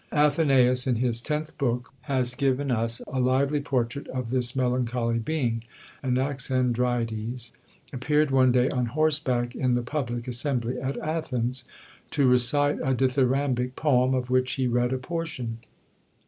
Athenæus, in his tenth book, has given us a lively portrait of this melancholy being. Anaxandrides appeared one day on horseback in the public assembly at Athens, to recite a dithyrambic poem, of which he read a portion.